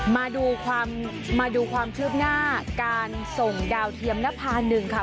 มาดูความมาดูความเทียบหน้าการส่งดาวเทียมนภาค์หนึ่งค่ะ